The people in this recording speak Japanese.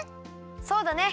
そうだね。